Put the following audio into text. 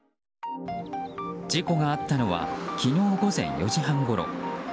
事故があったのは昨日午前４時半ごろ。